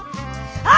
あ！